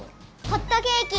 ホットケーキ！